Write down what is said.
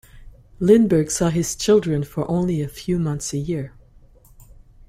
Lindbergh saw his children for only a few months a year.